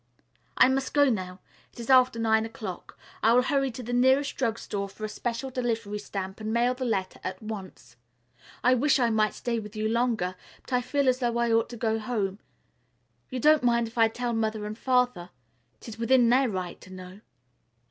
"I must go now. It is after nine o'clock. I will hurry to the nearest drug store for a special delivery stamp and mail the letter at once. I wish I might stay with you longer, but I feel as though I ought to go home. You don't mind if I tell Mother and Father? It is within their right to know."